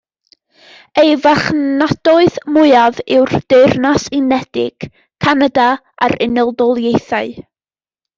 Ei farchnadoedd mwyaf yw'r Deyrnas Unedig, Canada a'r Unol Daleithiau.